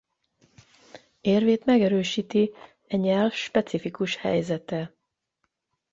Érvét megerősíti e nyelv specifikus helyzete.